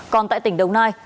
còn tại tỉnh đồng nai